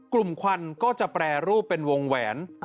ควันก็จะแปรรูปเป็นวงแหวน